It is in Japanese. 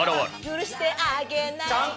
「許してあげない」